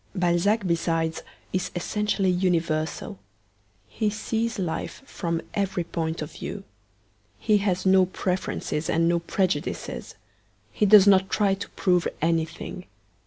Balzac, besides, is essentially universal. He sees life from every point of view. He has no preferences and no prejudices. He does not try to prove anything.